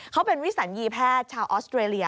เขาเป็นวิสัญญีแพทย์ชาวออสเตรเลีย